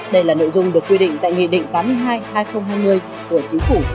đây là nội dung được quy định tại nghị định tám mươi hai hai nghìn hai mươi của chính phủ